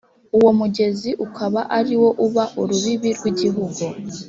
uwo mugezi ukaba ari wo uba urubibi rw’igihugu